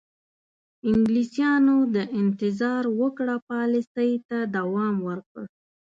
انګلیسیانو د انتظار وکړه پالیسۍ ته دوام ورکړ.